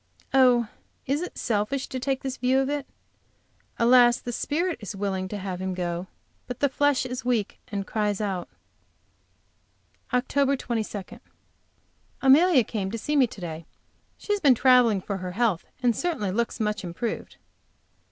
Oh, is it selfish to take this view of it? Alas, the spirit is willing to have him go, but the flesh is weak, and cries out. OCT. 22. Amelia came to see me to day. She has been traveling, for her health, and certainly looks much improved.